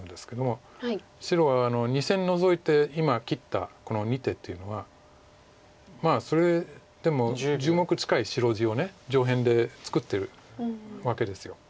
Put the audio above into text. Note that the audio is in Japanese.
白は２線ノゾいて今切ったこの２手というのはそれでも１０目近い白地を上辺で作ってるわけです。